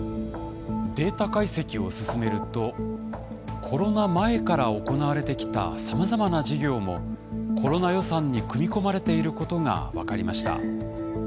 データ解析を進めるとコロナ前から行われてきたさまざまな事業もコロナ予算に組み込まれていることが分かりました。